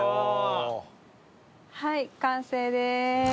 はい完成です。